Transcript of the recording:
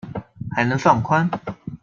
還能放寬